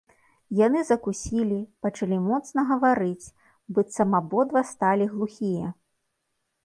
Яны закусілі, пачалі моцна гаварыць, быццам абодва сталі глухія.